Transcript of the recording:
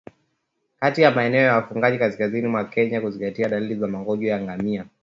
katika maeneo ya wafugaji kaskazini mwa Kenya kwa kuzingatia dalili za Magonjwa ya ngamia